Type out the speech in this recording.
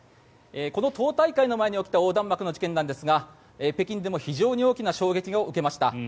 この党大会の前に起きた横断幕の事件ですが北京でも非常に大きな衝撃を受けました。